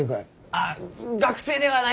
あ学生ではないです